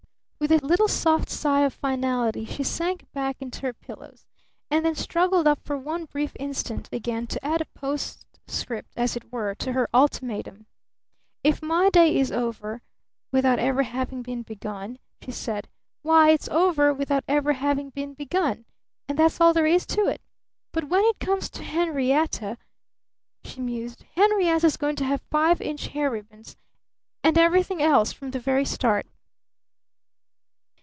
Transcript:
With a little soft sigh of finality she sank back into her pillows, and then struggled up for one brief instant again to add a postscript, as it were, to her ultimatum. "If my day is over without ever having been begun," she said, "why, it's over without ever having been begun! And that's all there is to it! But when it comes to Henrietta," she mused, "Henrietta's going to have five inch hair ribbons and everything else from the very start!"